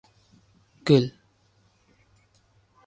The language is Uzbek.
-Gul!